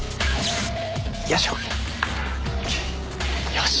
よし。